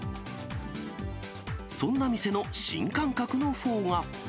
そんな店の新感覚のフォーが。